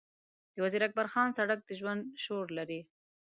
د وزیر اکبرخان سړک د ژوند شور لري.